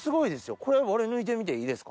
これ俺抜いてみていいですか？